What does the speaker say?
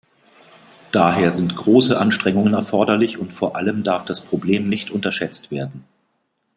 Daher sind große Anstrengungen erforderlich, und vor allem darf das Problem nicht unterschätzt werden.